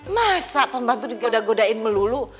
masa pembantu digoda godain melulu